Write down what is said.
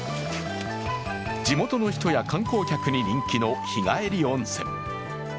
地元の人や観光客に人気の日帰り温泉。